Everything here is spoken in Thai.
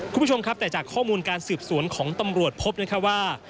คุณผู้ชมครับแต่จากข้อมูลการสืบสวนของตำรวจพบนะคะว่า